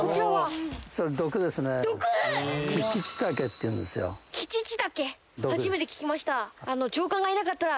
毒⁉初めて聞きました。